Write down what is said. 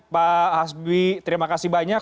pak hasbi terima kasih banyak